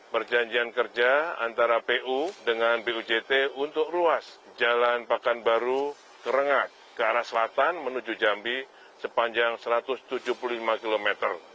perjanjian kerja antara pu dengan bujt untuk ruas jalan pakan baru keringat ke arah selatan menuju jambi sepanjang satu ratus tujuh puluh lima km